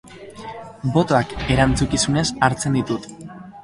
Botoak erantzukizunez hartzen ditut.